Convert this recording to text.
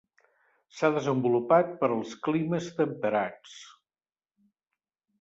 S'ha desenvolupat per als climes temperats.